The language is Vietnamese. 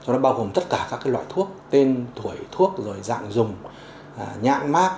nó bao gồm tất cả các loại thuốc tên tuổi thuốc rồi dạng dùng nhãn mát